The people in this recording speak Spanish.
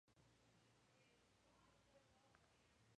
Este movimiento fue usado un tiempo por el luchador John Morrison.